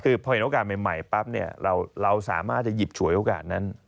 คือพอเห็นโอกาสใหม่ปั๊บเนี่ยเราสามารถจะหยิบฉวยโอกาสนั้น